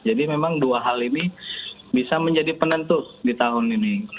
memang dua hal ini bisa menjadi penentu di tahun ini